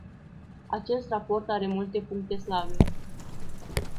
Acest raport are multe puncte slabe.